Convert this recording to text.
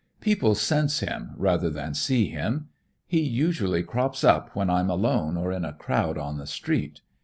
"People sense him rather than see him. He usually crops up when I'm alone or in a crowd on the street.